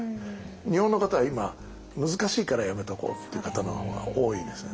日本の方は今難しいからやめておこうっていう方のほうが多いです。